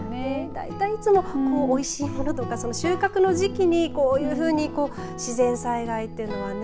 だいたいいつもおいしいものとか収穫の時期にこういうふうに自然災害というのはね。